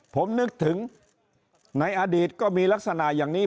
ผมนึกถึงในอดีตก็มีลักษณะอย่างนี้